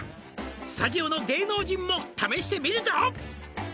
「スタジオの芸能人も試してみるぞ」